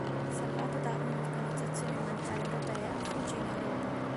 Salvata da una organizzazione umanitaria europea, fuggì in Europa.